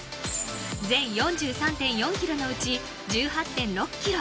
全４３．４キロのうち１８．６キロ。